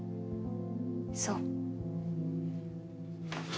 そう。